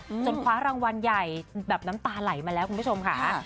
จนคว้ารางวัลใหญ่แบบน้ำตาไหลมาแล้วคุณผู้ชมค่ะ